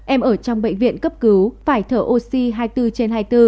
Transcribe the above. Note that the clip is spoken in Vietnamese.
em ở trong bệnh viện cấp cứu phải thở oxy hai mươi bốn trên hai mươi bốn